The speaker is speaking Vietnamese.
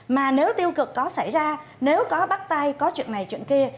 mà nếu tiêu cực có xảy ra nếu có bắt tay có chuyện này chuyện kia